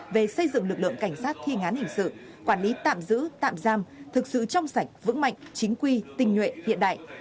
về xây dựng lực lượng cảnh sát thi ngán hình sự quản lý tạm giữ tạm giam thực sự trong sạch vững mạnh chính quy tinh nhuệ hiện đại